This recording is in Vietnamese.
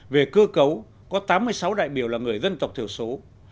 về cơ cấu có tám mươi sáu đại biểu là người dân tộc thiểu số